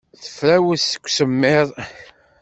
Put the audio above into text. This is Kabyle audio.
Tefrawes seg usemmiḍ.